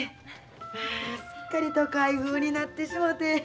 まあすっかり都会風になってしもて。